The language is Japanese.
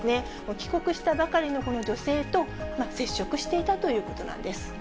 帰国したばかりのこの女性と接触していたということなんです。